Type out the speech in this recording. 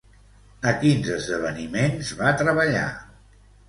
A quins esdeveniments va treballar?